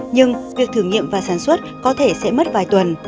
nhưng việc thử nghiệm và sản xuất có thể sẽ mất vài tuần